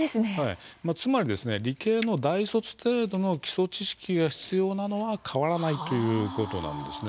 つまり理系の大卒程度の基礎知識が必要なのは変わらないということなんですね。